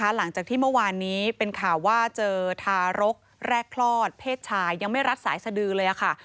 หลังจากที่เมื่อวานนี้เป็นข่าวว่าเจอทารกแรกคลอดเพศชายยังไม่รัดสายสดือเลยค่ะ